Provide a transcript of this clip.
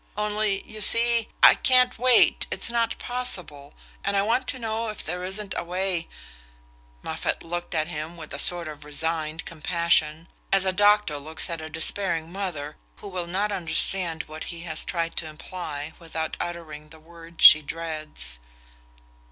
"Only, you see I can't wait; it's not possible; and I want to know if there isn't a way " Moffatt looked at him with a sort of resigned compassion, as a doctor looks at a despairing mother who will not understand what he has tried to imply without uttering the word she dreads.